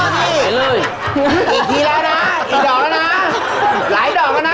ข้อมูลผีตาหวานค่ะ